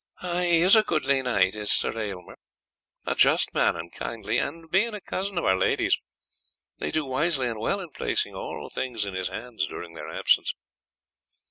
"He is a goodly knight, is Sir Aylmer, a just man and kindly, and, being a cousin of our lady's, they do wisely and well in placing all things in his hands during their absence."